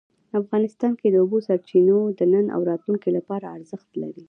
افغانستان کې د اوبو سرچینې د نن او راتلونکي لپاره ارزښت لري.